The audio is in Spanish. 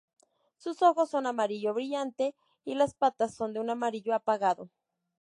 Sus ojos son amarillo brillante y las patas son de un amarillo apagado.